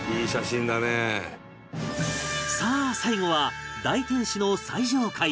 さあ最後は大天守の最上階へ